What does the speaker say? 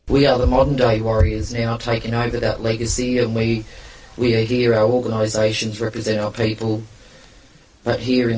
kita adalah warga modern yang telah mengambil kebenaran itu dan kita di sini organisasi kita mempunyai orang orang